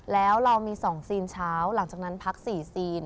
แล้วเรามี๒ซีนเช้าหลังจากนั้นพัก๔ซีน